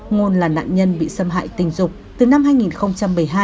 ngôn là nạn nhân bị xâm hại tình dục từ năm hai nghìn một mươi hai